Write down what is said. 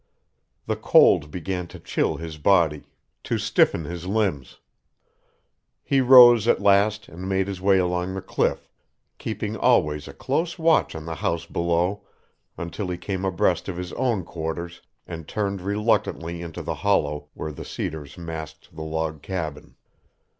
The cold began to chill his body, to stiffen his limbs. He rose at last and made his way along the cliff, keeping always a close watch on the house below until he came abreast of his own quarters and turned reluctantly into the hollow where the cedars masked the log cabin.